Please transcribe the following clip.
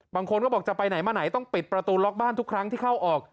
บางคนก็บอกจะไปไหนมาไหนต้องปิดประตูล็อกบ้านทุกครั้งที่เข้าออก